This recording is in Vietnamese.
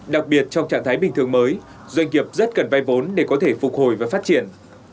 đặc biệt trong trạng thái bình thường mới doanh nghiệp rất cần vay vốn để có thể phục hồi và phát triển